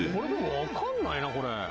わかんないなこれ。